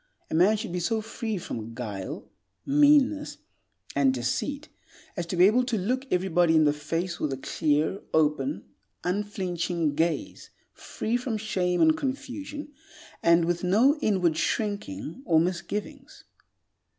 A man should be so free from guile, meanness, and deceit as to be able to look everybody in the face with a clear, open, unflinching gaze, free from shame and confusion, and with no inward shrinking or misgivings.